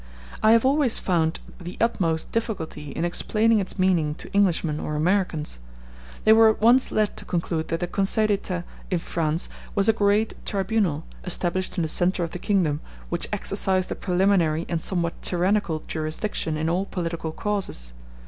I have always found the utmost difficulty in explaining its meaning to Englishmen or Americans. They were at once led to conclude that the Conseil d'Etat in France was a great tribunal, established in the centre of the kingdom, which exercised a preliminary and somewhat tyrannical jurisdiction in all political causes.